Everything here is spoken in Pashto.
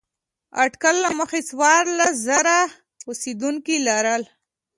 اټکل له مخې څوارلس زره اوسېدونکي لرل.